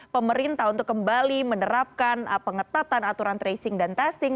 pemerintah untuk kembali menerapkan pengetatan aturan tracing dan testing